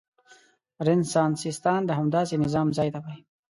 رنسانستان د همداسې نظام ځای ته وايي.